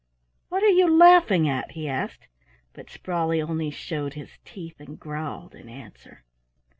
"What are you laughing at?" he asked, but Sprawley only showed his teeth and growled in answer.